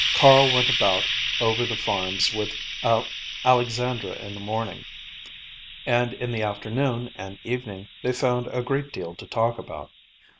Carl went about over the farms with Alexandra in the morning, and in the afternoon and evening they found a great deal to talk about.